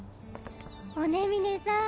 尾根峰さん